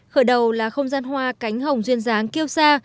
khởi đầu là không gian hoa cánh hồng duyên dáng kiêu sa